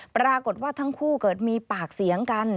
ปรากฏว่าทั้งคู่เกิดมีปากเสียงกัน